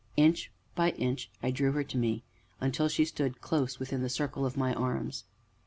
Inch by inch I drew her to me, until she stood close, within the circle of my arms.